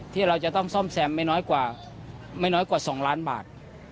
ที่เราจะต้องซ่อมแสมไม่น้อยกว่า๒ล้านบาท